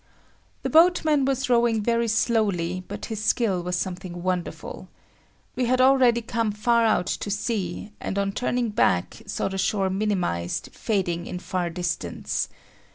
The boatman was rowing very slowly, but his skill was something wonderful. We had already come far out to sea, and on turning back, saw the shore minimized, fading in far distance.